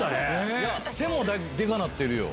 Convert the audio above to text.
背もでかなってるよ。